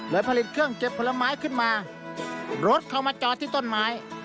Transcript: ผลิตเครื่องเก็บผลไม้ขึ้นมารถเข้ามาจอดที่ต้นไม้